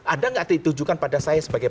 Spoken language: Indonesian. ada nggak ditujukan pada saya sebagai